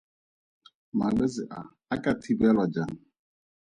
Malwetse a a ka thibelwa jang?